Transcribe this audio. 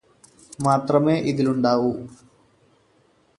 മാത്രമേ ഇതിലുണ്ടാവൂ